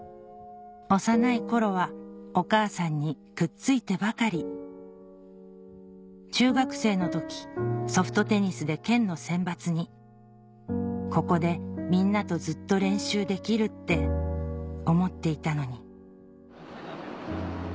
幼い頃はお母さんにくっついてばかり中学生の時ソフトテニスで県の選抜に「ここでみんなとずっと練習できるって思っていたのに」